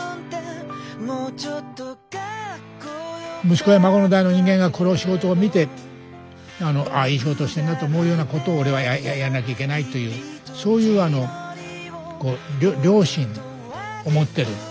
息子や孫の代の人間がこの仕事を見てああいい仕事をしてんなって思うようなことを俺はやらなきゃいけないというそういう良心を持ってる。